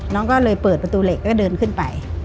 น้องก็เลยเปิดประตูเหล็กแล้วก็เดินขึ้นไป